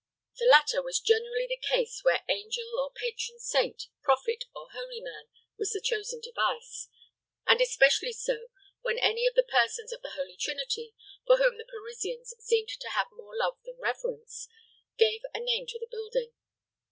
The latter was generally the case where angel, or patron saint, prophet, or holy man was the chosen device, and especially so when any of the persons of the Holy Trinity, for whom the Parisians seemed to have more love than reverence, gave a name to the building.